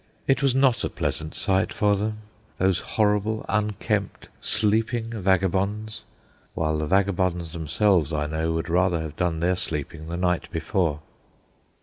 It was not a pleasant sight for them, those horrible, unkempt, sleeping vagabonds; while the vagabonds themselves, I know, would rather have done their sleeping the night before.